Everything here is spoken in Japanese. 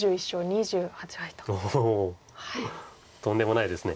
おおとんでもないです。